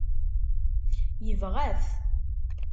Yebɣa-t.